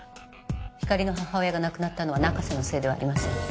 ひかりの母親が亡くなったのは中瀬のせいではありません。